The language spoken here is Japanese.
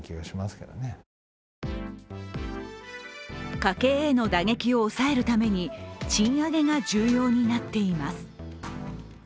家計への打撃を抑えるために賃上げが重要になっています。